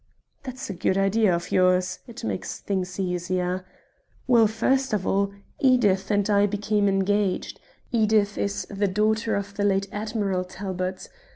"That's a good idea of yours. It makes things easier. Well, first of all, Edith and I became engaged. Edith is the daughter of the late Admiral Talbot.